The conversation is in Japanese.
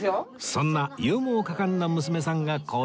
そんな勇猛果敢な娘さんがこちら